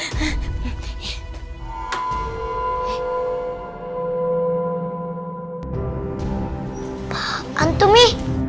apaan tuh mi